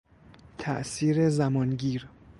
تاثیر زمانگیر